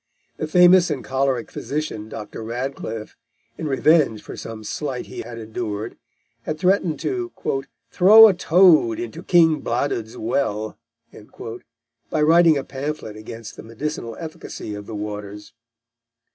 The famous and choleric physician, Dr. Radcliffe, in revenge for some slight he had endured, had threatened to "throw a toad into King Bladud's Well," by writing a pamphlet against the medicinal efficacy of the waters.